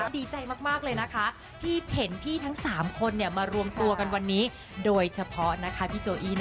ดีใจมากเลยนะคะที่เห็นพี่ทั้ง๓คนมารวมตัวกันวันนี้โดยเฉพาะนะคะพี่โจอี้